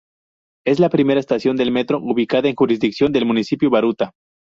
Es la primera estación del metro ubicada en jurisdicción del municipio Baruta.